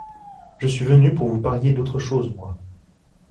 Je suis venu pour vous parier d’autre chose, moi.